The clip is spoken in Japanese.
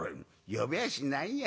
「呼びやしないよ。